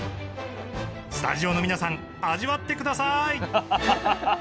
スタジオの皆さん味わって下さい！